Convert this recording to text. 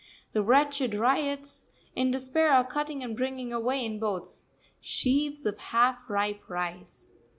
The wretched ryots, in despair, are cutting and bringing away in boats sheaves of half ripe rice.